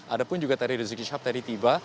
ada pun juga tadi rizik syihab tadi tiba